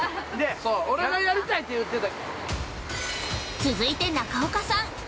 ◆俺がやりたいって言ってた。